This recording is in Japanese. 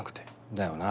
だよな。